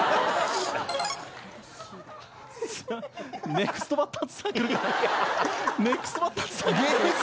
ネクストバッターズサークルです。